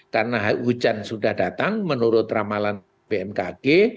karena hujan sudah datang menurut ramalan bmkg